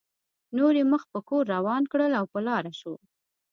نور یې مخ په کور روان کړل او په لاره شو.